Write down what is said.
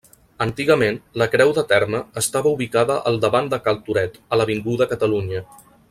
Antigament la creu de terme estava ubicada al davant de Cal Toret, a l'avinguda Catalunya.